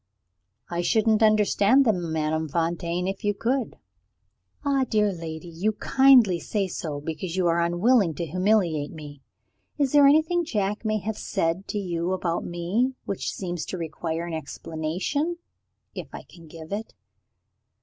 "I shouldn't understand them, Madame Fontaine, if you could." "Ah, dear lady, you kindly say so, because you are unwilling to humiliate me. Is there anything Jack may have said to you about me, which seems to require an explanation if I can give it?"